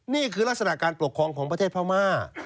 นี่คือลักษณะการปกครองของประเทศพม่า